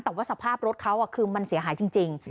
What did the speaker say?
แต่ว่าสภาพรถเขาคือมันเสียหายจริง